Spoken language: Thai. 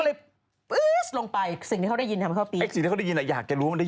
เลยนี่งนตกใจตัวเองเลย